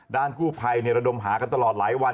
ด้านกู้ไพรเนี่ยระดมหากันตลอดหลายวัน